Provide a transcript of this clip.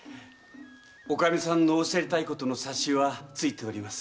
おかみさんのおっしゃりたいことの察しはついています。